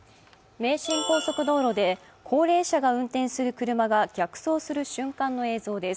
名神高速道路で高齢者が運転する車が逆走する瞬間の映像です。